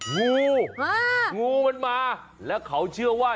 งูงูมันมาแล้วเขาเชื่อว่า